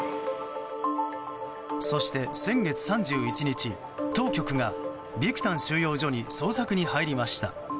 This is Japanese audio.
そして、先月３１日当局が、ビクタン収容所に捜索に入りました。